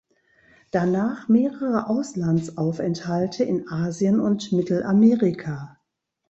Danach mehrere Auslandsaufenthalte in Asien und Mittelamerika.